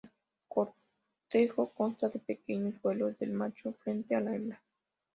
El cortejo consta de pequeños vuelos del macho frente a la hembra.